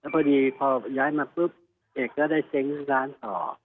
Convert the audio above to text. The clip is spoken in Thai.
พอดีพอย้ายมาปุ๊บเอกก็ได้เซ้งร้านต่อ